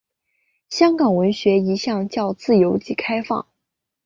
香港文学一向较自由及开放。